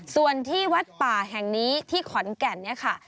ส่วนที่วัดป่าแห่งนี้ที่ขอนแก่นเนี่ยค่ะ